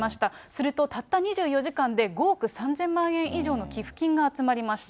すると、たった２４時間で５億３０００万円以上の寄付金が集まりました。